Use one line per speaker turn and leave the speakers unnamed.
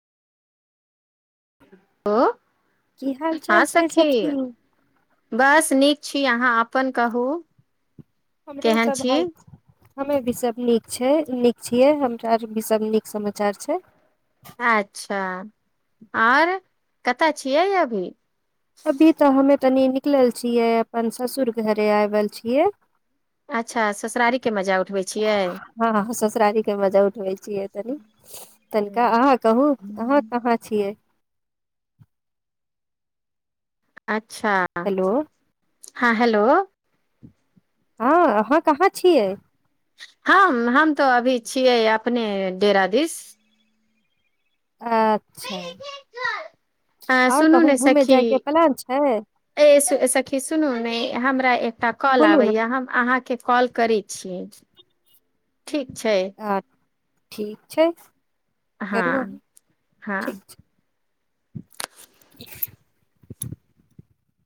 Hello,
की हाल
हँ
चाल छै
सखी। बस नीक छी अहाँ अपन कहूंँ।
हमरो सब हाल हमहे भी सब नीक छय नीक छियइ हमरा आर भी सब नीक समाचार छय
आच्छा, आओर कतऽ छियै अभी
अभी तऽ हमे तनी निकलल छियै अपन ससुर घरे आएल छियै
अच्छा ससुरारी के मजा उठबै छियै
हँ ससुरारी के मजा उठबै छियै तनी तनिका
हूँ
अहाँ कहूंँ अहाँ कहाँ छियै
अच्छा
हेलो
हँ हेलोऽ
हँ अहाँ कहाँ छियै
हम्म हम्म तऽ अभी छियै अपनेय डेरा दिशऽ
अच्छाऽ,
अ
आओर
सुनू
कहू
ने
घूमें
सखी
जाय के प्लान छैय
ए स- सखी सुनू नेय हमरा एकटा कॉल
बोलू ने
आबैये, हम्म अहाँके कॉल करै छि ठीक छय
हँ ठीक छय
हँ हँ
ठीक [inaudible]